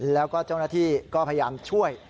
แล้วก็เจ้าหน้าที่ก็พยายามช่วย